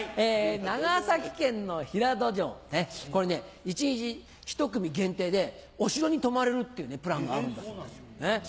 長崎県の平戸城これね１日１組限定でお城に泊まれるっていうプランがあるんだそうです。